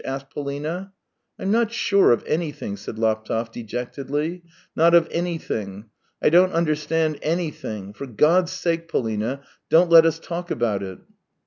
asked Polina. "I'm not sure of anything." said Laptev dejectedly. " Not of anything. I don't under stand anything. For God's sake. Polina, don't let us talk about it